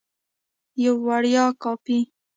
یوه وړیا کاپي